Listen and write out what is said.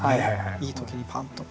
いい時にパンと。